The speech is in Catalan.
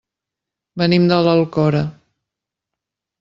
Venim de l'Alcora.